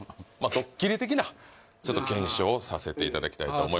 ドッキリ的なちょっと検証をさせていただきたいと思います